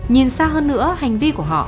nhìn xa hơn nữa hành vi của họ